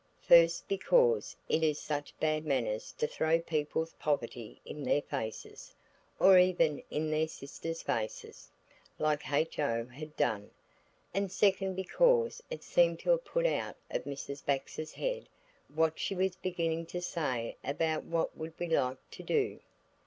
first because it is such bad manners to throw people's poverty in their faces, or even in their sisters' faces, like H.O. had just done, and second because it seemed to have put out of Mrs. Bax's head what she was beginning to say about what would we like to do.